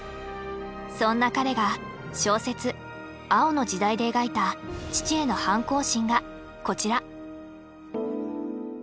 そんな彼が小説「青の時代」で描いた父への反抗心がこちら。